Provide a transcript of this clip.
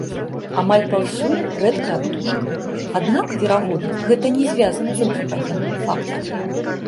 Амаль паўсюль рэдкая птушка, аднак, верагодна, гэта не звязана з антрапагенным фактарам.